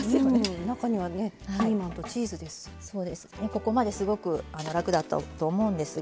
ここまですごく楽だったと思うんですが。